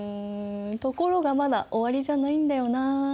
ところがまだ終わりじゃないんだよな。